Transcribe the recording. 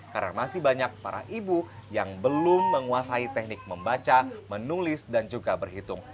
karena masih banyak para ibu yang belum menguasai teknik membaca menulis dan juga berhitung